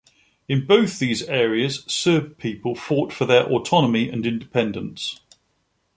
In both these areas, Serb people fought for their autonomy and independence.